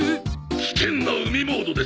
「危険な海モードです」